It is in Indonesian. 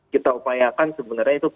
kita upayakan sebenarnya itu